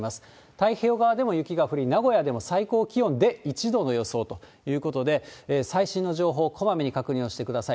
太平洋側でも雪が降り、名古屋でも最高気温で１度の予想ということで、最新の情報、こまめに確認をしてください。